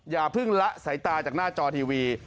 อย่าเพิ่งละสายตาจากหน้าจอทีวี